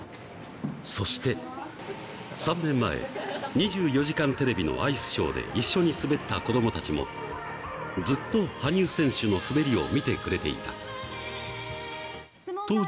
そして３年前、２４時間テレビのアイスショーで一緒に滑った子どもたちも、ずっと羽生選手の滑りを見てくれていた。